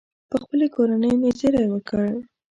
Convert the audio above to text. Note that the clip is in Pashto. پر خپلې کورنۍ مې زېری وکړ.